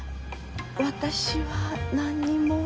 私は何にも。